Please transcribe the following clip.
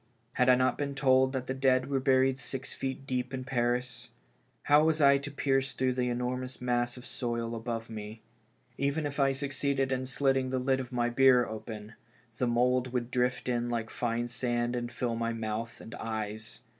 Had I not been told that the dead were buried six feet deep in Paris? How was I to pierce through the enormous mass of soil above me? Even if I succeeded in slitting the lid of my bier open, the mould would drift in like fine sand and fill my mouth and eyes.